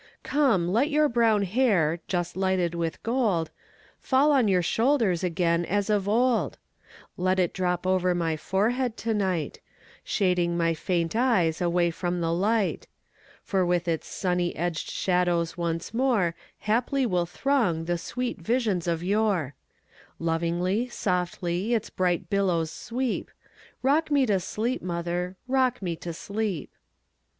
Come, let your brown hair, just lighted with gold, Fall on your shoulders again as of old; Let it drop over my forehead to night, Shading my faint eyes away from the light; For with its sunny edged shadows once moreHaply will throng the sweet visions of yore; Lovingly, softly, its bright billows sweep;—Rock me to sleep, mother,—rock me to sleep!